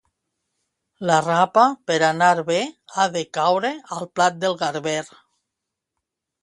La rapa, per anar bé, ha de caure al plat del garber.